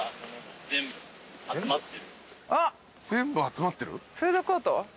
全部集まってる？